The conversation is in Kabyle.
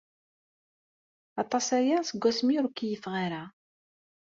Aṭas aya seg asmi ur keyyfeɣ ara.